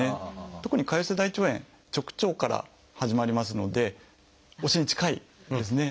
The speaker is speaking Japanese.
特に潰瘍性大腸炎直腸から始まりますのでお尻に近いんですね。